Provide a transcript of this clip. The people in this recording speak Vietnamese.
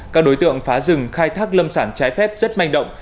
các đối tượng phá rừng khai thác lâm sản trái phép rất manh động